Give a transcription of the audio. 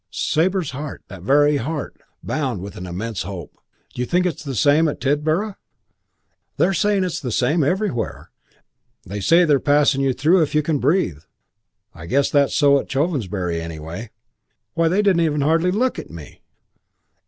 Sabre's heart that very heart! bounded with an immense hope. "D'you think it's the same at Tidborough?" "They're saying it's the same everywhere. They say they're passing you through if you can breathe. I reckon that's so at Chovensbury anyway. Why, they didn't hardly look at me."